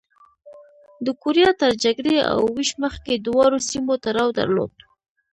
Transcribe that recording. د کوریا تر جګړې او وېش مخکې دواړو سیمو تړاو درلود.